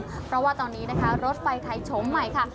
เพราะว่าตอนนี้นะคะรถไฟไทยโฉมใหม่ค่ะ